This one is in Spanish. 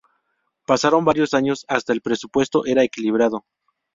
Pasaron varios años hasta el presupuesto era equilibrado.